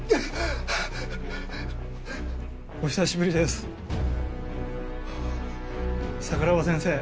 お久しぶりです桜庭先生。